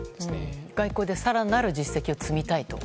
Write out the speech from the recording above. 外交で更なる実績を積みたいと。